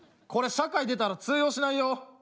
これ社会出たら通用しないよ。